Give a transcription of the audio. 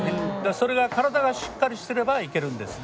それが体がしっかりしてればいけるんですね。